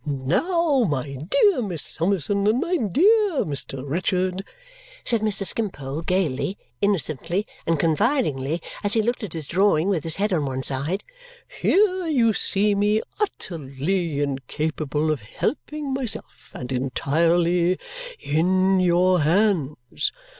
"Now, my dear Miss Summerson, and my dear Mr. Richard," said Mr. Skimpole gaily, innocently, and confidingly as he looked at his drawing with his head on one side, "here you see me utterly incapable of helping myself, and entirely in your hands!